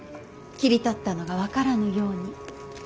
切り取ったのが分からぬように。